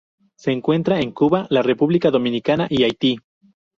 Se encuentra en Cuba, la República Dominicana, y Haití.